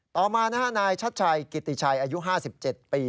ต่อมานายชัดชัยกิติชัยอายุ๕๗ปี